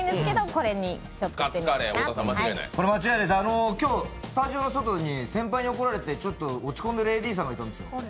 これ間違いないです、スタジオの外、先輩に怒られてちょっと落ち込んでいるＡＤさんがいたんですよ。